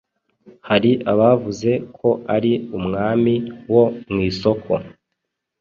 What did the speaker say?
hari abavuze ko ari "umwami wo mw'isoko"